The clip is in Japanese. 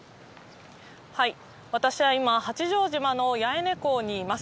私は今、八丈島の八重根港にいます。